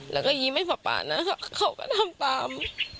แล้วก็ยิ้มให้ป๊าป๊านะคะเขาก็ทำตาม